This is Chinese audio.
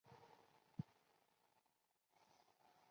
短序落葵薯为落葵科落葵薯属的植物。